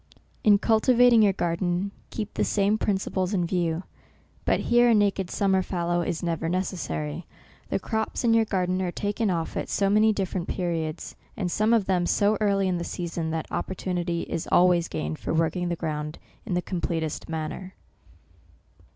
In cultivating your garden, keep the same principles in view ; but here a naked sum mer fallow is never necessary. The crops in your garden are taken off at so many dif ferent periods, and some of them so early in the season, that opportunity is always gained for working the ground in the completest manner.